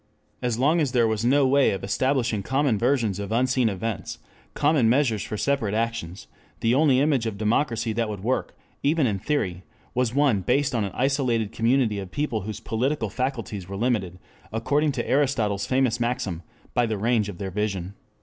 As long as there was no way of establishing common versions of unseen events, common measures for separate actions, the only image of democracy that would work, even in theory, was one based on an isolated community of people whose political faculties were limited, according to Aristotle's famous maxim, by the range of their vision.